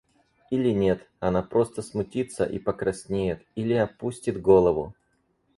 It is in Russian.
Или нет, она просто смутится и покраснеет или опустит голову.